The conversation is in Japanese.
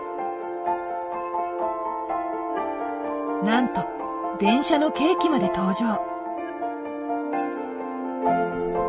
なんと電車のケーキまで登場。